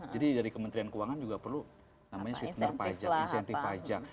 jadi dari kementerian keuangan juga perlu namanya sweetener pajak